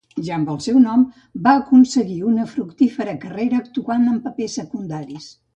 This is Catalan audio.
Ja amb el seu nou nom, va aconseguir una fructífera carrera actuant en papers secundaris.